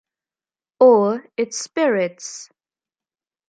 Or it's spirits.